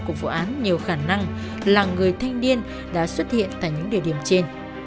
của vụ án nhiều khả năng là người thanh niên đã xuất hiện tại những địa điểm trên